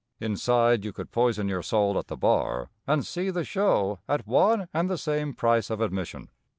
Inside you could poison your soul at the bar and see the show at one and the same price of admission.